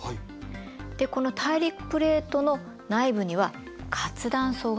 でこの大陸プレートの内部には活断層があります。